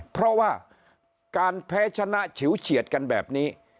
เพราะว่าการแพ้ชนะฉิวเฉียดกันแบบนี้